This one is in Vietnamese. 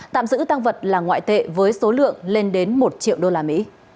tạm giữ tăng vật là ngoại tệ với số lượng lên đến một triệu usd